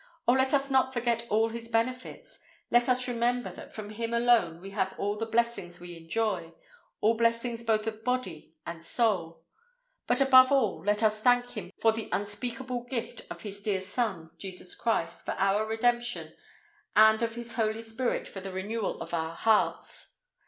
Oh, let us not forget all His benefits; let us remember that from Him alone we have all the blessings we enjoy, all blessings both of body and soul. But, above all, let us thank Him for the unspeakable gift of His dear Son, Jesus Christ, for our redemption, and of His Holy Spirit for the renewal of our hearts.